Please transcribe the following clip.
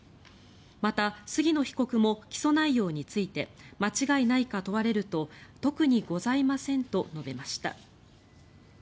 また杉野被告も起訴内容について間違いないか問われると特にございませんと述べました。